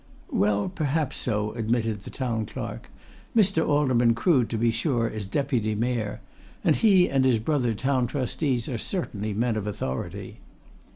"Well, perhaps so," admitted the Town Clerk. "Mr. Alderman Crood, to be sure, is Deputy Mayor. And he and his brother Town Trustees are certainly men of authority."